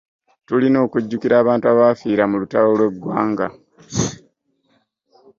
Tulina okujukira abantu abaafiira mu lutalo lw'eggwanga.